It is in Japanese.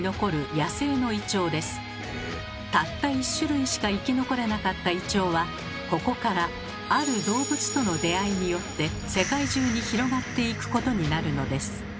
たった１種類しか生き残れなかったイチョウはここからある動物との出会いによって世界中に広がっていくことになるのです。